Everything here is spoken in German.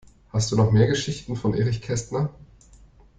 Hast du noch mehr Geschichten von Erich Kästner?